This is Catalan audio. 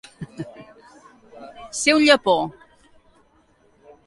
Ser un llepó.